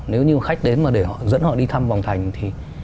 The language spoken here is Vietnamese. nếu như khách đến mà để dẫn họ đi thăm vòng thành thì